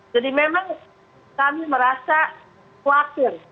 jadi memang kami merasa khawatir